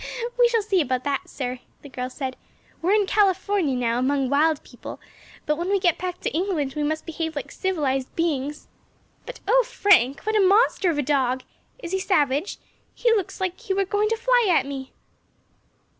"We shall see about that, sir," the girl said; "we are in California now, among wild people, but when we get back to England we must behave like civilised beings. But, O Frank, what a monster of a dog! Is he savage? He looks as if he were going to fly at me."